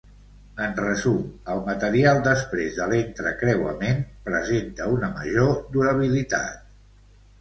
En resum el material després de l'entrecreuament presenta una major durabilitat.